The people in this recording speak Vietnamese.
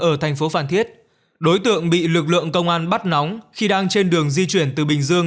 ở thành phố phan thiết đối tượng bị lực lượng công an bắt nóng khi đang trên đường di chuyển từ bình dương